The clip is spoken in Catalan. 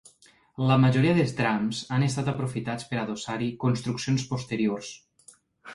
La majoria de trams han estat aprofitats per adossar-hi construccions posteriors.